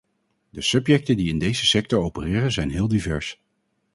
De subjecten die in deze sector opereren zijn heel divers.